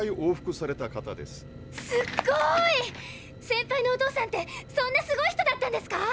センパイのお父さんってそんなすごい人だったんですか